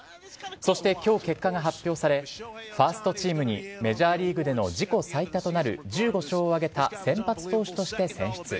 そして、きょう結果が発表され、ファーストチームに、メジャーリーグでの自己最多となる１５勝を挙げた先発投手として選出。